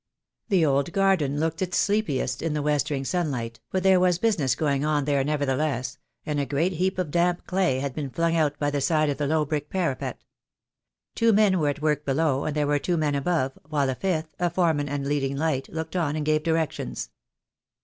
The old garden looked its sleepiest in the westering sunlight, but there was business going on there neverthe 100 THE DAY WILL COME. less, and a great heap of damp clay had been flung out by the side of the low brick parapet. Two men were at work below, and there were two men above, while a fifth, a foreman and leading light, looked on and gave directions.